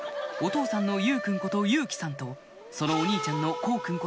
お父さんの祐君こと祐紀さんとそのお兄ちゃんの宏君